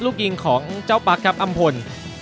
ลูกยิงของเจ้าปั๊กครับอำพล